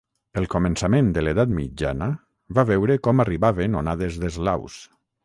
El començament de l'Edat Mitjana va veure com arribaven onades d'eslaus.